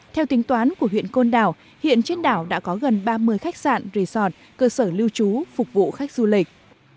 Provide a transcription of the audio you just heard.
theo tính toán của huyện côn đảo hiện trên đảo đã có gần ba mươi khách sạn resort cơ sở lưu trú phục vụ khách du lịch